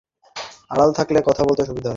অন্ধকারের আড়াল থাকলে কথা বলতে সুবিধা হয়।